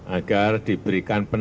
agar diberikan penampilan